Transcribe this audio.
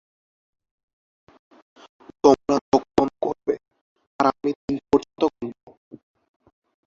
তোমরা চোখ বন্ধ করবে, আর আমি তিন পর্যন্ত গুনবো।